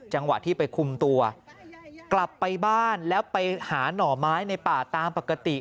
จังหวะที่ไปคุมตัวกลับไปบ้านแล้วไปหาหน่อไม้ในป่าตามปกติ